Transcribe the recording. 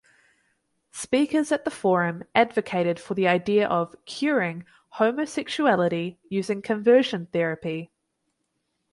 Speakers at the forum advocated for the idea of "curing" homosexuality using conversion therapy.